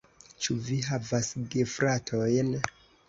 Ĉu vi havas gefratojn?